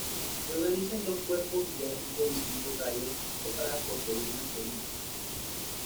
Se organiza en dos cuerpos y ático y cinco calles, separadas por columnas corintias.